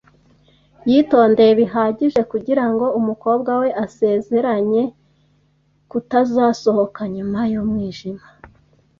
Yitondeye bihagije kugirango umukobwa we asezeranye kutazasohoka nyuma yumwijima.